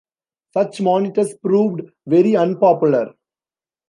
Such monitors proved very unpopular.